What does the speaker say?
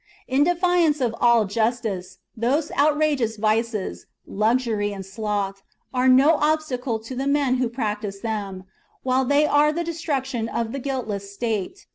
In defiance of all justice, those outrageous vices, luxury and sloth, are no obstacle to the men who practise them, while they are the destruc tion of the guiltless state.